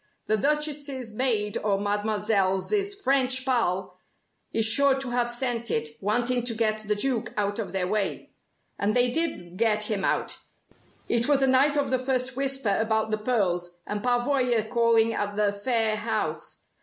The Duchess's maid or Mademoiselle's French pal is sure to have sent it, wanting to get the Duke out of their way. And they did get him out! It was the night of the first 'Whisper' about the pearls and Pavoya calling at the Phayre house.